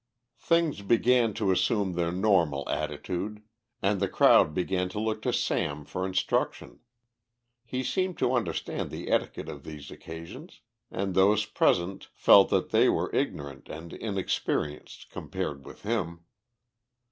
Things began to assume their normal attitude, and the crowd began to look to Sam for instruction. He seemed to understand the etiquette of these occasions, and those present felt that they were ignorant and inexperienced compared with him.